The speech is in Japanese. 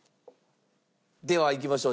ではいきましょう。